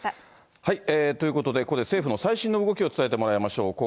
ということで、ここで政府の最新の動きを伝えてもらいましょう。